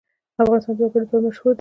افغانستان د وګړي لپاره مشهور دی.